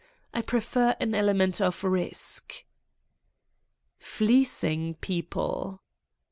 I prefer an element of risk." "Fleecing people?"